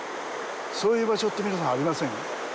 そういう場所って、皆さん、ありません？